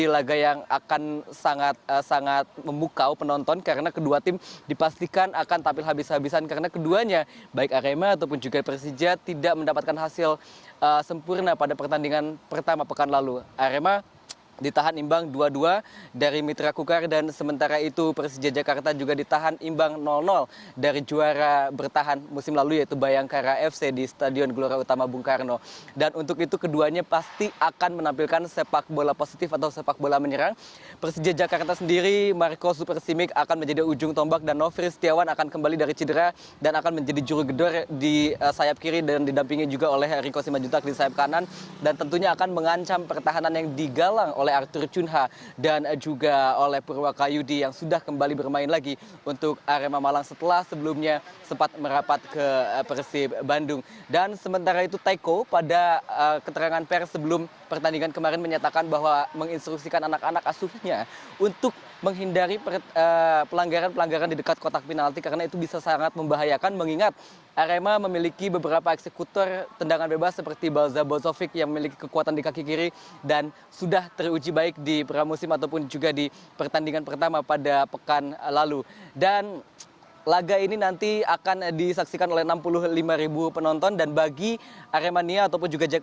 laga ini nanti akan disaksikan oleh enam puluh lima penonton dan bagi aremania ataupun juga jack mania yang akan masuk ke stadion utama gelora bung karno